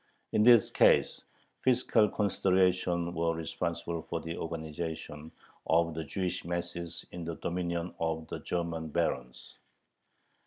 In this case fiscal considerations were responsible for the organization of the Jewish masses in the dominion of the German barons.